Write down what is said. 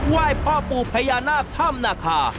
ไหว้พ่อปู่พญานาธรรมนะคะ